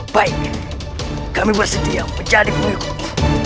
baik kami bersedia menjadi pengikut